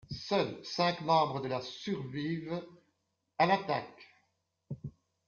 Seuls cinq membres de la survivent à l'attaque.